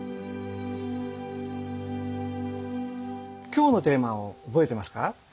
今日のテーマを覚えてますか？